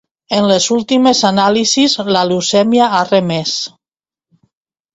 En les últimes anàlisis la leucèmia ha remès.